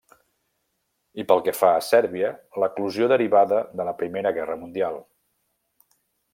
I pel que fa a Sèrbia, l'eclosió derivada de la Primera Guerra Mundial.